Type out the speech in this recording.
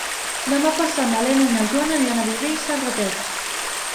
Demà passat na Lena i na Joana aniran a Viver i Serrateix.